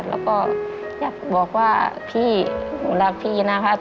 แล้วก็อยากบอกว่าพี่หนูรักพี่นะครับ